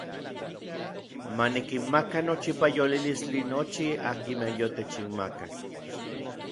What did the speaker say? Ma nikinmaka nochipa yolilistli nochi akinmej yotechinmakak.